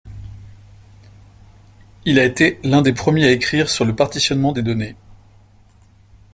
Il a été l'un des premiers à écrire sur le partitionnement de données.